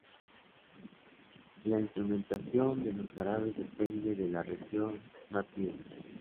La instrumentación de los jarabes depende de la región nativa.